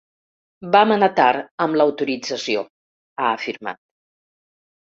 “Vam anar tard amb l’autorització”, ha afirmat.